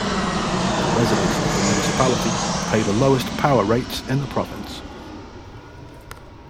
The residents of the municipality pay the lowest power rates in the province.